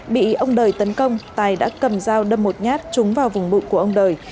bị ông đời tấn công tài đã cầm dao đâm một nhát trúng vào vùng bụ của ông đời